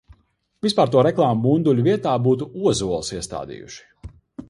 Vispār to reklāmu bunduļu vietā būtu ozolus iestādījuši.